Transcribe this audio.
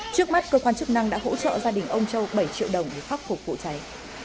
trước mắt cơ quan chức năng đã hỗ trợ gia đình ông châu bảy triệu đồng để khắc phục vụ cháy